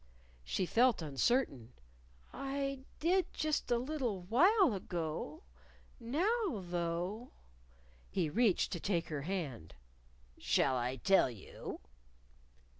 She felt uncertain. "I did just a little while ago. Now, though " He reached to take her hand. "Shall I tell you?"